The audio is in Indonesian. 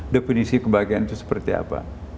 definisi kebahagiaan itu seperti apa